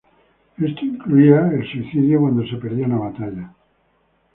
Esto incluía el suicidio cuando se perdía una batalla.